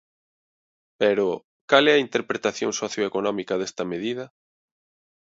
Pero, cal é a interpretación socioeconómica desta medida?